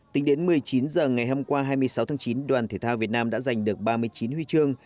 tính đến một mươi chín h ngày hôm qua hai mươi sáu tháng chín đoàn thể thao việt nam đã giành được ba mươi chín huy chương